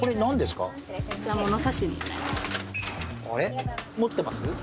あれっ？持ってます？